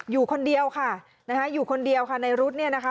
อยู่คนเดียวค่ะนะคะอยู่คนเดียวค่ะในรุ๊ดเนี่ยนะคะ